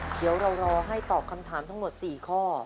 เดี๋ยวเรารอให้ตอบคำถามทั้งหมด๔ข้อ